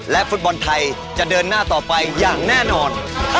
ฟุตบอลไทยจะเดินหน้าต่อไปอย่างแน่นอน